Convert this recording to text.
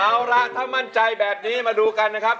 เอาล่ะถ้ามั่นใจแบบนี้มาดูกันนะครับ